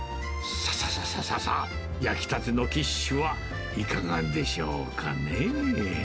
さささささ、焼きたてのキッシュは、いかがでしょうかね。